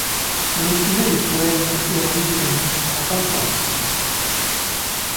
On écrivait des poèmes héroï-comiques en patois aussi.